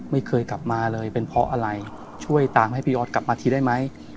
ไม่เคยกลับมาเลยเป็นเพราะอะไรช่วยตามให้พี่ออสกลับมาทีได้ไหม